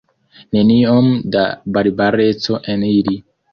Neniom da barbareco en ili!